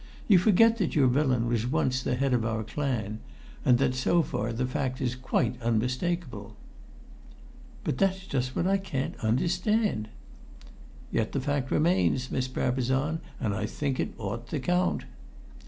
"You forget that your villain was once the head of our clan, and that so far the fact is quite unmistakable." "But that's just what I can't understand!" "Yet the fact remains, Miss Brabazon, and I think it ought to count."